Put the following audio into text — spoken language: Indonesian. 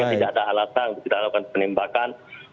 tidak ada alatan untuk kita lakukan penembakan